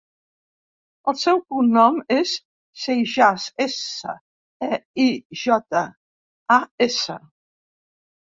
El seu cognom és Seijas: essa, e, i, jota, a, essa.